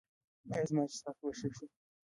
ایا زما څښاک به ښه شي؟